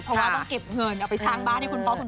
เพราะว่าต้องเก็บเงินเอาไปสร้างบ้านให้คุณพ่อคุณแม่